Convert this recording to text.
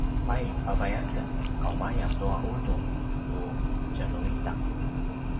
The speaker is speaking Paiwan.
pay pavai aken kaumaya tua ’udung tu tjanuita!